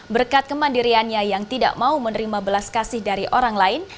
berkat kemandiriannya yang tidak mau menerima belas kasih dari orang lain